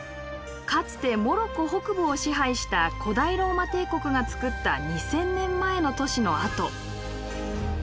かつてモロッコ北部を支配した古代ローマ帝国がつくった２，０００年前の都市の跡。